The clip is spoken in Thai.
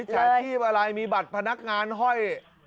ฉาชีพอะไรมีบัตรพนักงานห้อย